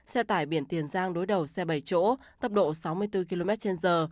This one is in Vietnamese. xe tải biển tiền giang đối đầu xe bảy chỗ tốc độ sáu mươi bốn km trên giờ